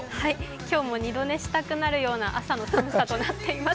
今日も二度寝したくなるような朝の寒さとなっています。